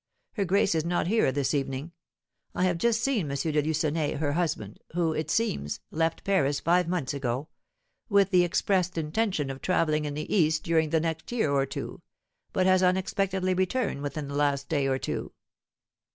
Her grace is not here this evening. I have just seen M. de Lucenay, her husband, who, it seems, left Paris five months ago, with the expressed intention of travelling in the East during the next year or two, but has unexpectedly returned within the last day or two."